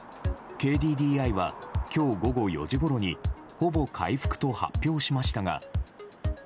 ＫＤＤＩは今日午後４時ごろにほぼ回復と発表しましたが「ｚｅｒｏ」